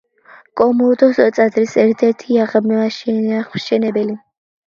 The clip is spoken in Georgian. კუმურდოს ტაძრის ერთ-ერთი აღმშენებელი.